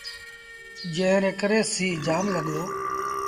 جݩهݩ ري ڪري سيٚ جآم لڳو۔